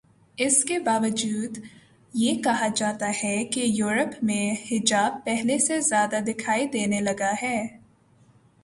اس کے باوجود یہ کہا جاتاہے کہ یورپ میں حجاب پہلے سے زیادہ دکھائی دینے لگا ہے۔